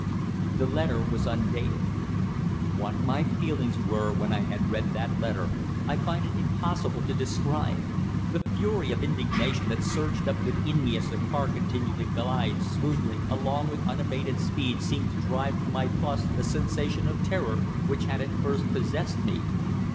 The letter was undated. What my feelings were when I had read that letter, I find it impossible to describe. The fury of indignation that surged up within me as the car continued to glide smoothly along with unabated speed seemed to drive from my thoughts the sensation of terror which had at first possessed me.